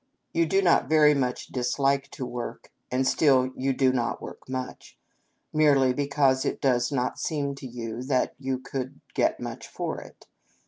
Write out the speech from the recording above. You do not very much dislike to work, and still you do not work much, merely because it does not seem to you that you could get much for it.